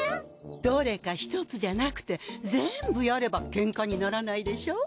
どれか１つじゃなくて全部やればけんかにならないでしょ？